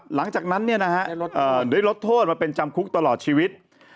หลังจากนั้นได้ลดโทษมาเป็นจำคุกตลอดชีวิต